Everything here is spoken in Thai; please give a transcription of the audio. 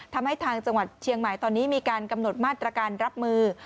ทางจังหวัดเชียงใหม่ตอนนี้มีการกำหนดมาตรการรับมือ